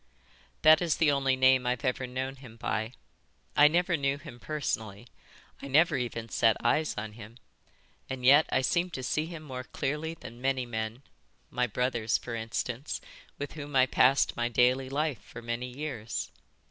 "That is the only name I've ever known him by. I never knew him personally. I never even set eyes on him. And yet I seem to see him more clearly than many men, my brothers, for instance, with whom I passed my daily life for many years.